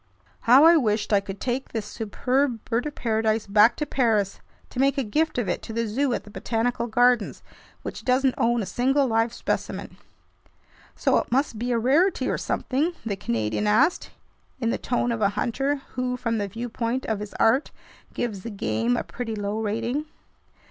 How I wished I could take this superb bird of paradise back to Paris, to make a gift of it to the zoo at the Botanical Gardens, which doesn't own a single live specimen. "So it must be a rarity or something?" the Canadian asked, in the tone of a hunter who, from the viewpoint of his art, gives the game a pretty low rating.